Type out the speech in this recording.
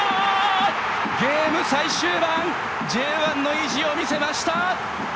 ゲーム最終盤Ｊ１の意地を見せました。